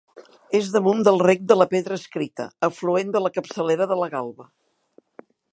És damunt del Rec de la Pedra Escrita, afluent de la capçalera de la Galba.